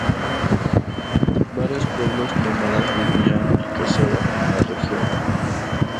Varios pueblos nómadas vivían y cazaban en la región.